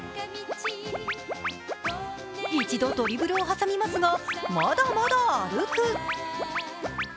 一度ドリブルを挟みますが、まだまだ歩く。